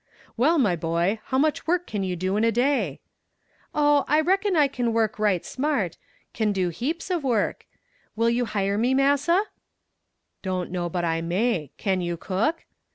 "Well, my boy, how much work can you do in a day?" "Oh, I reckon I kin work right smart; kin do heaps o' work. Will you hire me, Massa?" "Don't know but I may; can you cook?"